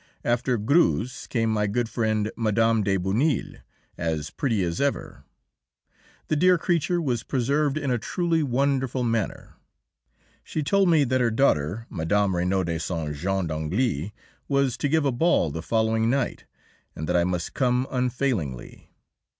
After Greuze came my good friend, Mme. de Bonneuil, as pretty as ever; the dear creature was preserved in a truly wonderful manner. She told me that her daughter, Mme. Regnault de Saint Jean d'Angély, was to give a ball the following night, and that I must come unfailingly.